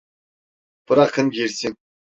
Bırakın girsin.